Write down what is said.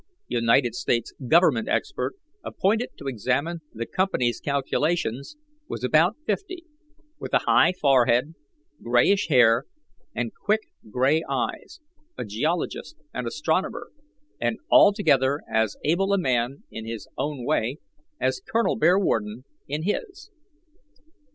United States Government expert, appointed to examine the company's calculations, was about fifty, with a high forehead, greyish hair, and quick, grey eyes, a geologist and astronomer, and altogether as able a man, in his own way, as Col. Bearwarden in his.